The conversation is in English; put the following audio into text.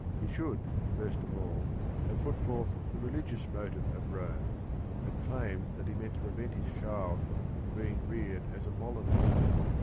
He should, first of all, have put forth the re ligious motive at Rome, and claimed that he meant to prevent his child from being reared as a Molinist.